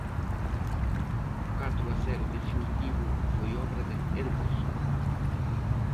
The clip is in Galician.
O catro a cero definitivo foi obra de Henderson.